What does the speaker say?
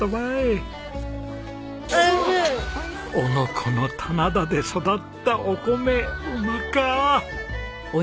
子の棚田で育ったお米うまか！